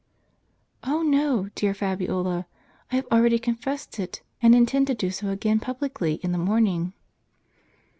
" Oh, no ! dear Fabiola ; I have already confessed it, and intend to do so again publicly in the morning."